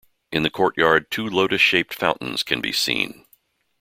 In the courtyard two lotus shaped fountains can be seen.